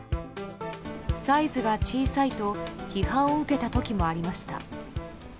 サイズが小さいと批判を受けた時もありました。